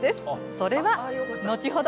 それは後ほど。